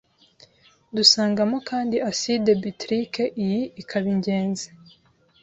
dusangamo kandi acide bitrike iyi ikaba ingenzi